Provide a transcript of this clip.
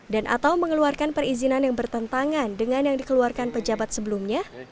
dan atau mengeluarkan perizinan yang bertentangan dengan yang dikeluarkan pejabat sebelumnya